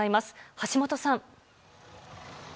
橋本さん。